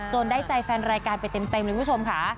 ได้ใจแฟนรายการไปเต็มเลยคุณผู้ชมค่ะ